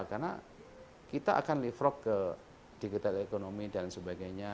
karena kita akan lifrog ke digital economy dan sebagainya